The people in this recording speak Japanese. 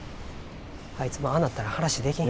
あいつもああなったら話できん。